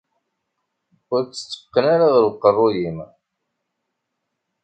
Ur tt-tteqqen ara ɣer uqerruy-im.